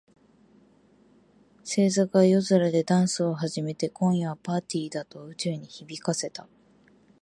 星座が夜空でダンスを始めて、「今夜はパーティーだ！」と宇宙に響かせた。